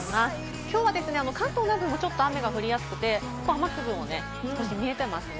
きょうは関東南部もちょっと雨が降りやすくて、雨粒も少し見えていますね。